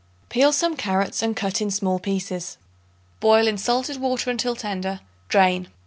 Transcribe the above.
Peel some carrots and cut in small pieces. Boil in salted water until tender; drain.